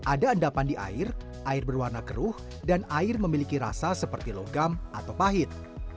ada endapan di air air berwarna keruh dan air memiliki rasa seperti logam atau pahit